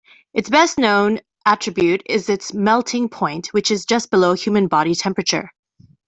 Its best-known attribute is its melting point, which is just below human body temperature.